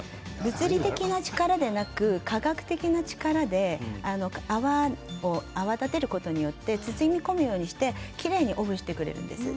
物理的な力ではなく科学的な力で泡立てることによって包み込むことによってオフしてくれます。